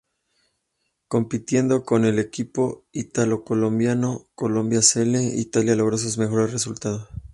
Compitiendo por el equipo ítalo-colombiano Colombia-Selle Italia logró sus mejores resultados.